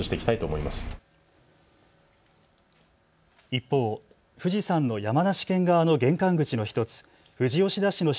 一方、富士山の山梨県側の玄関口の１つ、富士吉田市の